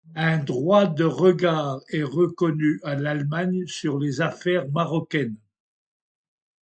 Un droit de regard est reconnu à l'Allemagne sur les affaires marocaines.